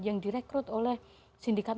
yang direkrut oleh sindikat